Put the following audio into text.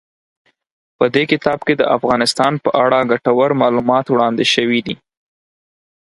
په دې کتاب کې د افغانستان په اړه ګټور معلومات وړاندې شوي دي.